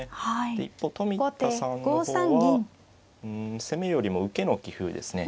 で一方冨田さんの方は攻めよりも受けの棋風ですね。